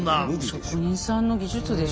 職人さんの技術でしょ。